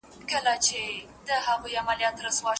غسل کول کله واجب دي؟